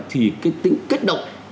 thì cái tính kết động